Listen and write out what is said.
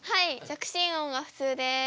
着信音が普通です。